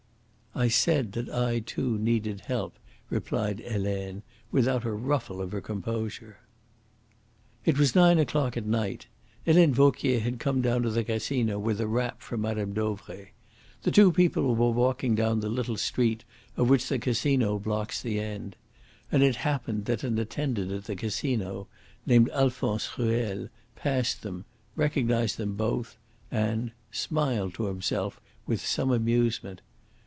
"I said that I too needed help," replied Helene, without a ruffle of her composure. It was nine o'clock at night. Helene Vauquier had come down to the Casino with a wrap for Mme. Dauvray. The two people were walking down the little street of which the Casino blocks the end. And it happened that an attendant at the Casino, named Alphonse Ruel, passed them, recognised them both, and smiled to himself with some amusement.